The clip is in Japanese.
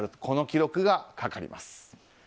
この記録がかかります。